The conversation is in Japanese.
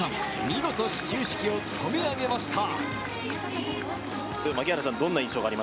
見事、始球式を務め上げました。